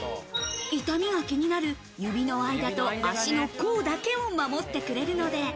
痛みが気になる、指の間と足の甲だけを守ってくれるので。